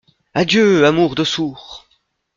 Adieu, amour de sourd !…